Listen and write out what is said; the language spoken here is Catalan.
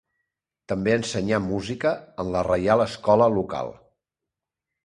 També ensenyà música en la reial escola local.